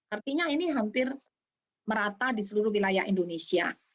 artinya ini hampir merata di seluruh wilayah indonesia